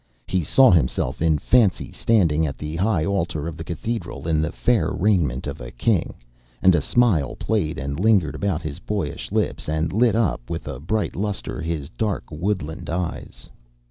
He saw himself in fancy standing at the high altar of the cathedral in the fair raiment of a King, and a smile played and lingered about his boyish lips, and lit up with a bright lustre his dark woodland eyes.